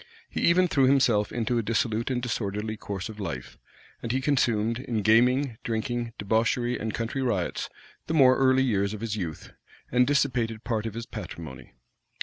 He even threw himself into a dissolute and disorderly course of life; and he consumed, in gaming, drinking, debauchery, and country riots, the more early years of his youth, and dissipated part of his patrimony.